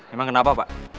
emang kenapa pak